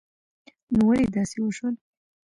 نو ولی داسی وشول